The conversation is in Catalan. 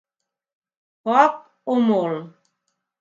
Poc o molt.